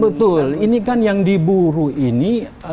betul ini kan yang diburu ini